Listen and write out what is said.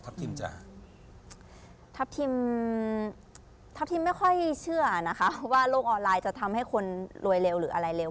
จะทัพทิมทัพทิมไม่ค่อยเชื่อนะคะว่าโลกออนไลน์จะทำให้คนรวยเร็วหรืออะไรเร็ว